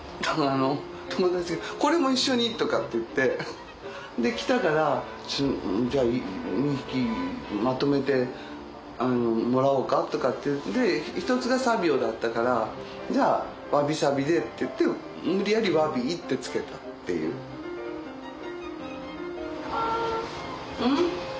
友達が「これも一緒に」とかって言って来たからじゃあ２匹まとめてもらおうかとかっていうんで１つがサビオだったからじゃあワビサビでっていって無理やりワビイって付けたっていう。ん？